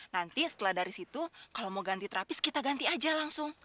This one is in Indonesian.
nanti setelah dari situ kalau mau ganti terapis kita ganti aja langsung